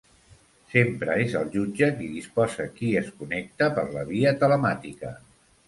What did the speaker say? Sempre és el jutge qui disposa qui es connecta per la via telemàtica.